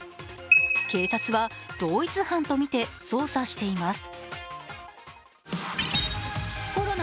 警察は、同一犯とみて捜査しています。